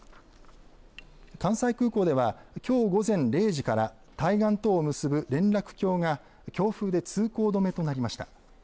関西空港ではきょう午前０時から対岸とを結ぶ連絡橋が強風で通行止めとなりました。